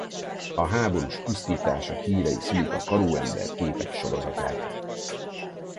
A háborús pusztítások hírei szülik a karóember-képek sorozatát.